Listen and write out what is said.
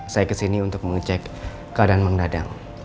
saya kesini untuk mengecek keadaan pak dadang